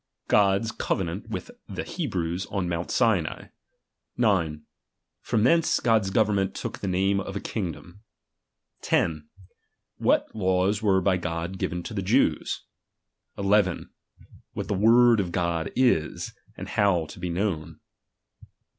God's cove nant with the Hebrews on Mount Sinai. 9. From thence God's government took the name of a kingdom. 10. What laws were by God given to the Jews. 1 !. What the word of God is, and how to be known.